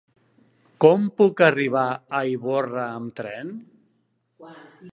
Com puc arribar a Ivorra amb tren?